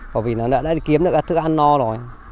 bởi vì nó đã kiếm được các thức ăn no rồi